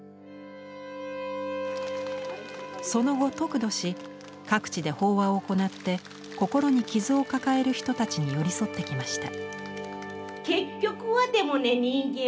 その後、得度し各地で法話を行って心に傷を抱える人たちに寄り添ってきました。